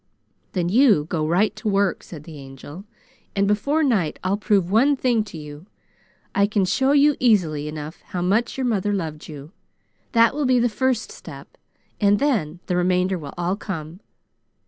"Then you go right to work," said the Angel, "and before night I'll prove one thing to you: I can show you easily enough how much your mother loved you. That will be the first step, and then the remainder will all come.